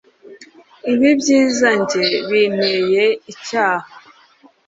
Ibi byiza njye binteye icyaha